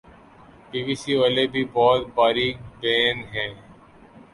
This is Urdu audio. بی بی سی والے بھی بہت باریک بین ہیں